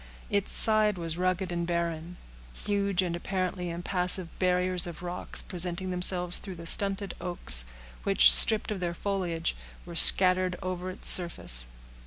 Its side was rugged and barren; huge and apparently impassable barriers of rocks presenting themselves through the stunted oaks, which, stripped of their foliage, were scattered over its surface.